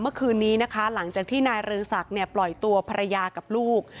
เมื่อคืนนี้นะคะหลังจากที่นายเรืองศักดิ์ปล่อยตัวภรรยากับลูก